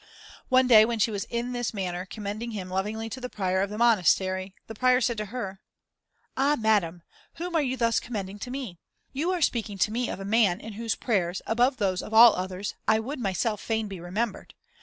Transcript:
One day, when she was in this manner commending him lovingly to the Prior of the monastery, the Prior said to her "Ah, madam, whom are you thus commending to me? You are speaking to me of a man in whose prayers, above those of all others, I would myself fain be remembered.